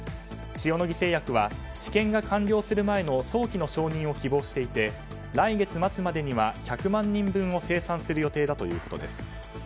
塩野義製薬は治験が完了する前の早期の承認を希望していて、来月末までには１００万人分を生産する予定だということです。